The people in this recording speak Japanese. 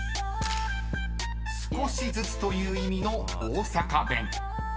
［少しずつという意味の大阪弁］